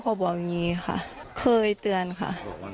บอกอย่างนี้ค่ะเคยเตือนค่ะ